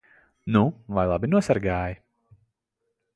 Nu vai labi nosargāji?